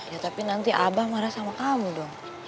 ya tapi nanti abah marah sama kamu dong